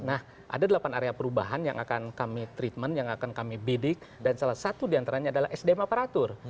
nah ada delapan area perubahan yang akan kami treatment yang akan kami bidik dan salah satu diantaranya adalah sdm aparatur